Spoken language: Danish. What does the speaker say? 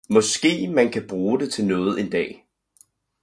Måske man kan bruge det til noget en dag.